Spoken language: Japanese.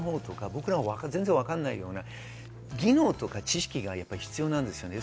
僕らもわからないような技能とか知識が必要なんですよね。